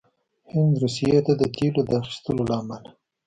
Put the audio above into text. هند روسيې نه د تیلو د اخیستلو له امله